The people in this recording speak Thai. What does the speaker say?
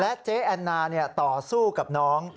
และเจ๊อันน่าเนี่ยต่อสู้กับน้อง